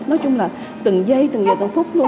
nói chung là từng giây từng giờ từng phút luôn